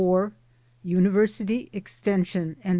IV; UNIVERSITY EXTENSION; AND.